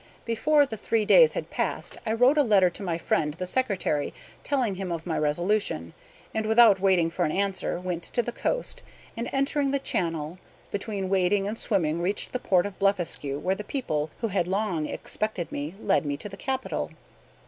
Before the three days had passed I wrote a letter to my friend the secretary telling him of my resolution; and, without waiting for an answer, went to the coast, and entering the channel, between wading and swimming reached the port of Blefuscu, where the people, who had long expected me, led me to the capital.